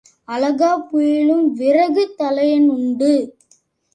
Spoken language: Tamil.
அளகாபுரியிலும் விறகு தலையன் உண்டு.